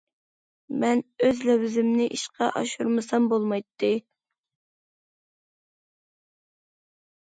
مەن ئۆز لەۋزىمنى ئىشقا ئاشۇرمىسام بولمايتتى.